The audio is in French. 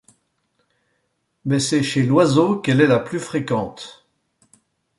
Mais c'est chez l'oiseau qu'elle est la plus fréquente.